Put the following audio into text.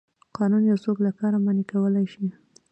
قانون یو څوک له کار منع کولی شي.